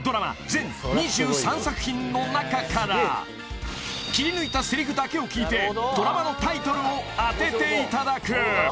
全２３作品の中から切り抜いたセリフだけを聞いてドラマのタイトルを当てていただく